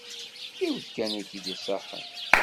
Yiwet kan i k-id-iṣaḥen.